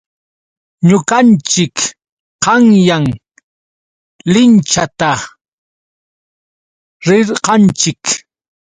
Ñuqanchik qanyan linchata rirqanchik.